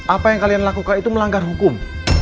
apa yang kalian lakukan itu melanggar hukum